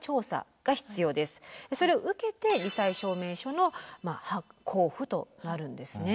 それを受けてり災証明書の交付となるんですね。